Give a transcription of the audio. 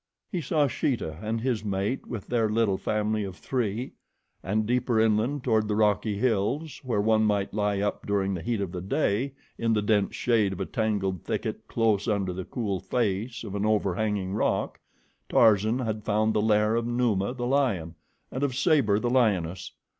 He saw Sheeta and his mate with their little family of three; and deeper inland toward the rocky hills, where one might lie up during the heat of the day, in the dense shade of a tangled thicket close under the cool face of an overhanging rock, Tarzan had found the lair of Numa, the lion, and of Sabor, the lioness.